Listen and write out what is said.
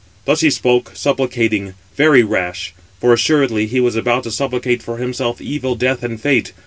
Thus he spoke, supplicating, very rash; for, assuredly, he was about to supplicate for himself evil death and fate.